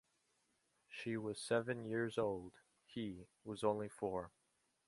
She was seven years old, he was only four.